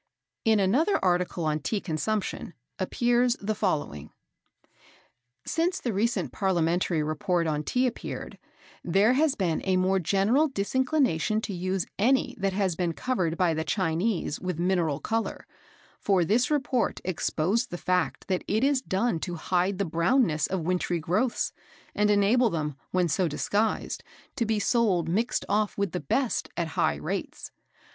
In another article on Tea Consumption, appears the following: "Since the recent Parliamentary Report on Tea appeared, there has been a more general disinclination to use any that has been covered by the Chinese with mineral colour, for this report exposed the fact that it is done to hide the brownness of wintry growths, and enable them, when so disguised, to be sold mixed off with the best at high rates.